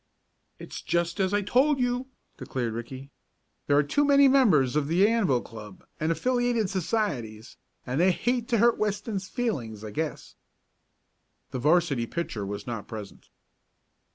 "It's just as I told you," declared Ricky. "There are too many members of the Anvil Club, and affiliated societies, and they hate to hurt Weston's feelings, I guess." The 'varsity pitcher was not present.